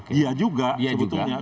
dia juga sebetulnya